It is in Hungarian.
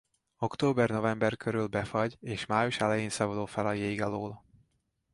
Október–november körül befagy és május elején szabadul fel a jég alól.